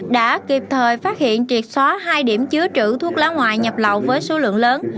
đã kịp thời phát hiện triệt xóa hai điểm chứa trữ thuốc lá ngoại nhập lậu với số lượng lớn